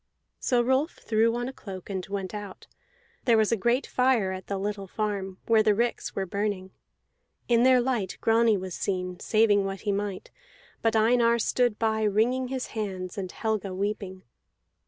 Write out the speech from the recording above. So Rolf threw on a cloak and went out; there was a great fire at the little farm, where the ricks were burning. In their light Grani was seen, saving what he might; but Einar stood by wringing his hands, and Helga weeping.